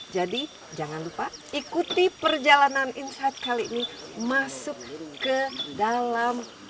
jadi jangan lupa ikuti perjalanan insight kali ini masuk ke dalam hutan adat gajah bertalut dengan naik sampan di atas sungai